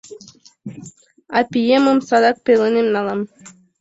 — А пиемым садак пеленем налам.